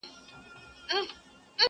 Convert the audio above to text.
ګرفتار دي په غمزه یمه له وخته,